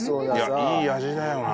いやいい味だよな。